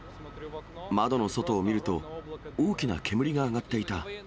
窓の外を見ると、大きな煙が上がっていた。